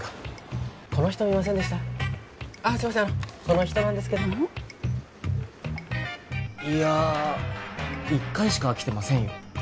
あのこの人なんですけどいや１回しか来てませんよ